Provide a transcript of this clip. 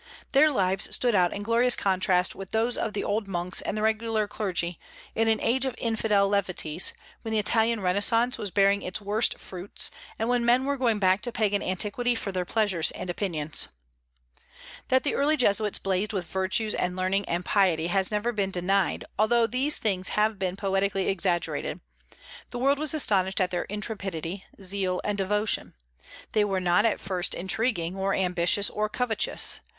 Their lives stood out in glorious contrast with those of the old monks and the regular clergy, in an age of infidel levities, when the Italian renaissance was bearing its worst fruits, and men were going back to Pagan antiquity for their pleasures and opinions. That the early Jesuits blazed with virtues and learning and piety has never been denied, although these things have been poetically exaggerated. The world was astonished at their intrepidity, zeal, and devotion. They were not at first intriguing, or ambitious, or covetous.